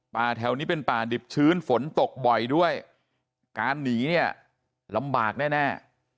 แถวนี้เป็นป่าดิบชื้นฝนตกบ่อยด้วยการหนีเนี่ยลำบากแน่